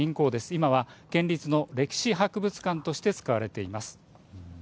今は県立の歴史博物館として使われています。